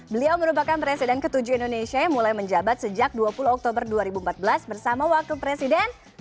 beliau merupakan presiden ke tujuh indonesia yang mulai menjabat sejak dua puluh oktober dua ribu empat belas bersama wakil presiden